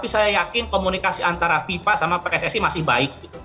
saya yakin komunikasi antara fifa sama pssi masih baik